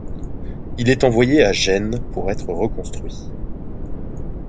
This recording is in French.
Il est envoyé à Gênes pour être reconstruit.